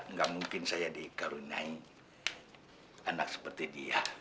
nggak mungkin saya dikaruniai anak seperti dia